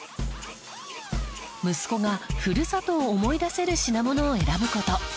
息子がふるさとを思い出せる品物を選ぶ事。